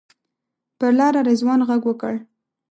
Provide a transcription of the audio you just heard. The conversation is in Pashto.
پر لاره رضوان غږ وکړ.